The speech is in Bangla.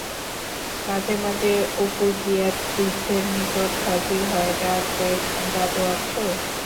মাঝে মাঝে অপু গিয়া বৃদ্ধের নিকট হাজির হয়, ডাক দেয়,-দাদু আছো?